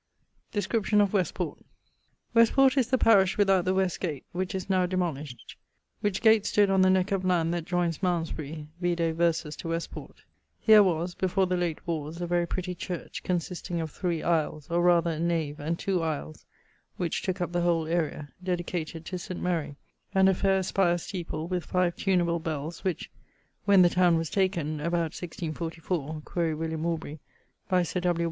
<_Description of Westport._> Westport[FJ] is the parish without the west gate (which is now demolished), which gate stood on the neck of land that joines Malmesbury (vide verses[FK]) to Westport. Here[FL] was, before the late warres, a very pretty church, consisting of 3 aisles, or rather a nave and two aisles (which tooke up the whole area), dedicated to St. Mary; and a fair spire steeple, with five tuneable bells, which, when the towne was taken (about 1644; quaere William Aubrey) by Sir W.